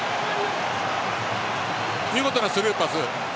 見事なスルーパス。